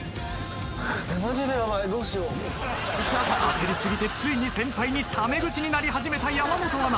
焦り過ぎてついに先輩にタメ口になり始めた山本アナ。